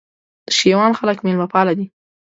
د شېوان خلک مېلمه پاله دي